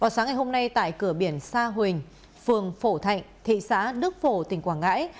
sáng ngày hôm nay tại cửa biển sa huỳnh phường phổ thạnh thị xã đức phổ tỉnh quảng ngãi